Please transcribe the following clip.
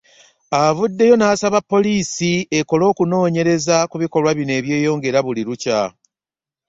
Avuddeyo n'asaba poliisi ekole okunoonyereza ku bikolwa bino ebyeyongera buli lukya